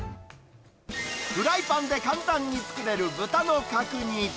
フライパンで簡単に作れる豚の角煮。